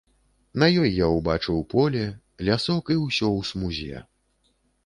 На ёй я ўбачыў поле, лясок і ўсё ў смузе.